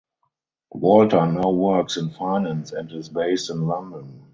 Walter now works in finance and is based in London.